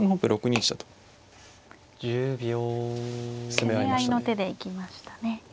６二飛車と攻め合いましたね。